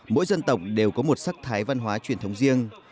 mỗi dân tộc đều có một sắc thái văn hóa truyền thống riêng